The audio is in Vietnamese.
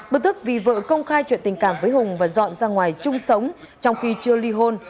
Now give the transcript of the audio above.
bực tức vì vợ công khai chuyện tình cảm với hùng và dọn ra ngoài chung sống trong khi chưa ly hôn